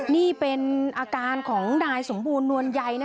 นี่เป็นอาการของนายสมมตินวญใหญ่